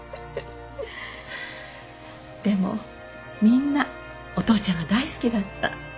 でもみんなお父ちゃんが大好きだった。